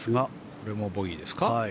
これもボギーですか？